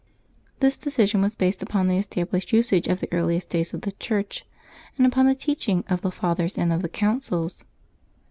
This de cision was based upon the established usage of the earliest days of the Church, and upon the teaching of the Fathers and of the Councils.